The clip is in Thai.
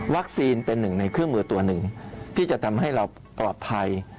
เป็นหนึ่งในเครื่องมือตัวหนึ่งที่จะทำให้เราปลอดภัย